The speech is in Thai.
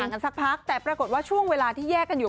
กันสักพักแต่ปรากฏว่าช่วงเวลาที่แยกกันอยู่